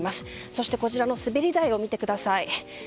そして、こちらの滑り台を見てください。